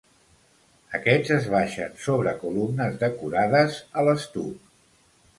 Aquests es baixen sobre columnes decorades a l'estuc.